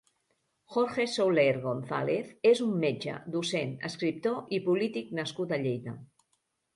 Jorge Soler González és un metge, docent, escriptor i polític nascut a Lleida.